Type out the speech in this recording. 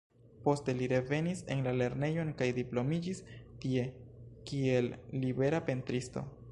Poste li revenis en la Lernejon kaj diplomiĝis tie kiel libera pentristo.